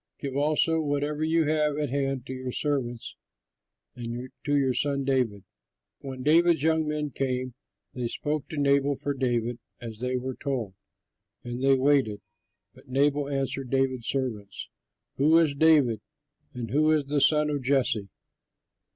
Give also whatever you have at hand to your servants and to your son David.'" When David's young men came, they spoke to Nabal for David as they were told, and then waited. But Nabal answered David's servants, "Who is David? And who is the son of Jesse?